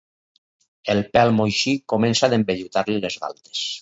El pèl moixí comença d'envellutar-li les galtes.